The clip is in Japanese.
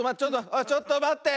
おいちょっとまって！